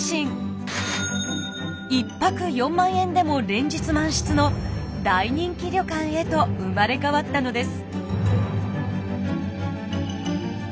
１泊４万円でも連日満室の大人気旅館へと生まれ変わったのです。